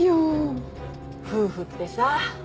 夫婦ってさ。